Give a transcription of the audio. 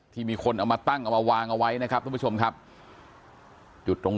มีคนเอามาตั้งเอามาวางเอาไว้นะครับทุกผู้ชมครับจุดตรง